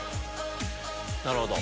なるほど。